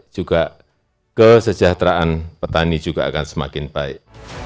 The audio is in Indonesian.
juga kesejahteraan petani juga akan semakin baik